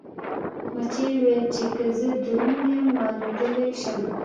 مچۍ وویل چې که زه دروند یم نو الوتلی شم.